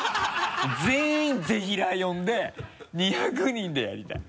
全員ぜひらー呼んで２００人でやりたい。